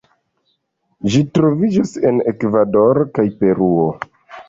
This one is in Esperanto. Ĝi troviĝas en Ekvadoro kaj Peruo.